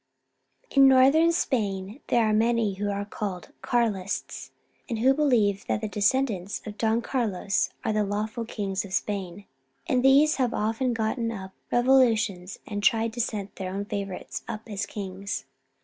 In Northern Spain there are many who are called Carlists, and who believe that the de scendants of Don Carlos are the lawful kings of Spain, and these have often gotten up revo lutions and tried to set their own favourites up as kings.